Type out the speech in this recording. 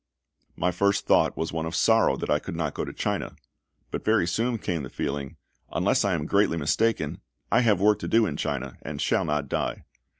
My first thought was one of sorrow that I could not go to China; but very soon came the feeling, "Unless I am greatly mistaken, I have work to do in China, and shall not die."